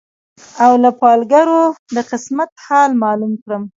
او له پالګرو د قسمت حال معلوم کړم